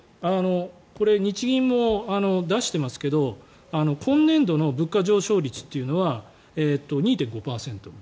日銀も出してますけど今年度の物価上昇率というのは２．５％。